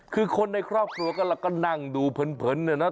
คือคนในครอบครัวก็เราก็นั่งดูเพลินเนี่ยนะ